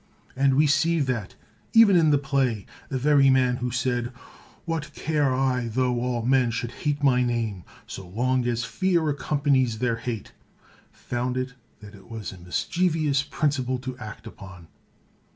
And we see that, even in the play, the very man who said, 'n/Vhat care I tho all men should hate my name. So long as fear accompanies their hatef found that it was a mischievous principle to act upon.